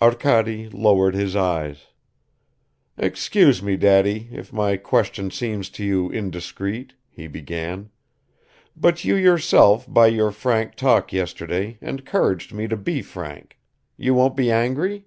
Arkady lowered his eyes. "Excuse me, Daddy, if my question seems to you indiscreet," he began; "but you yourself by your frank talk yesterday encouraged me to be frank ... you won't be angry?"